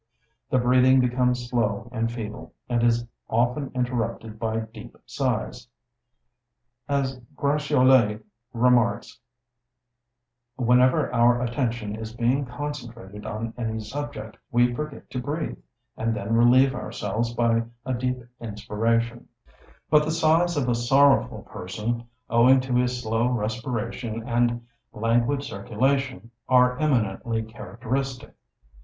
The breathing becomes slow and feeble, and is often interrupted by deep sighs. As Gratiolet remarks, whenever our attention is long concentrated on any subject, we forget to breathe, and then relieve ourselves by a deep inspiration; but the sighs of a sorrowful person, owing to his slow respiration and languid circulation, are eminently characteristic.